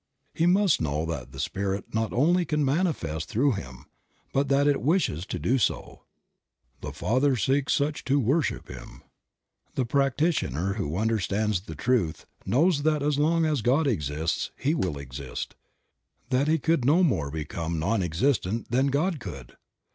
He must know that the Spirit not only can manifest through him, but that it wishes to do so ; "The Father seeks such to worship Him." The practitioner who understands the truth knows that as long as God exists, he will exist ; that he could no more become non existent than God could.